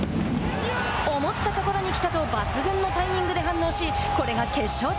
思ったところに来たと抜群のタイミングで反応しこれが決勝点。